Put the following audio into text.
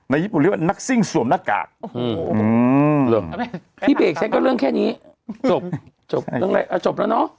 ในญี่ปูริวัลนักซิ่งสวมนักกากอืม